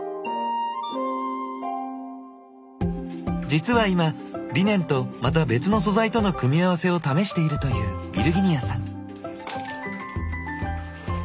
実は今リネンとまた別の素材との組み合わせを試しているというヴィルギニヤさん。